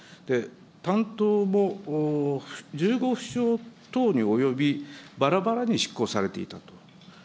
担当も１５府省等に及び、ばらばらに執行されていたと。